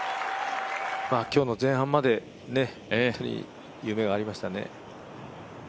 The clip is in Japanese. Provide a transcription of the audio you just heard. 今日の前半まで本当に夢がありましたね。